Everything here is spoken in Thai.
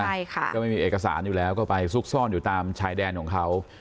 ใช่ค่ะก็ไม่มีเอกสารอยู่แล้วก็ไปซุกซ่อนอยู่ตามชายแดนของเขา